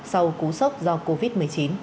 sau cú sốc do covid một mươi chín